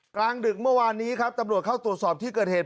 กลางดึกเมื่อวานนี้ครับตำรวจเข้าตรวจสอบที่เกิดเหตุ